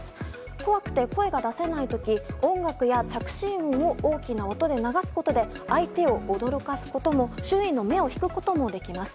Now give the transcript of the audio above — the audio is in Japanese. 怖くて声が出せない時音楽や着信音を大きな音で流すことで相手を驚かすことも周囲の目を引くこともできます。